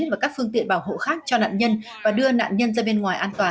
và các phương tiện bảo hộ khác cho nạn nhân và đưa nạn nhân ra bên ngoài an toàn